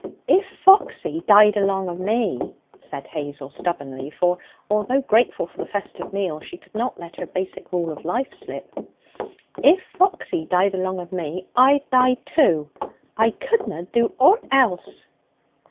'If Foxy died along of me,' said Hazel stubbornly for, although grateful for the festive meal, she could not let her basic rule of life slip 'if Foxy died along of me, I'd die too. I couldna do aught else.'